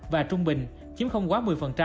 là trung bình chiếm không quá một mươi